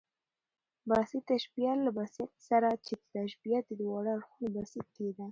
بسیط تشبیه له بسیط سره، چي د تشبیه د واړه اړخونه بسیط يي.